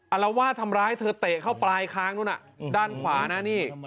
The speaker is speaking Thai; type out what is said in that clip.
อารวาสทำร้ายเธอเตะเข้าปลายคางนู้นด้านขวานะนี่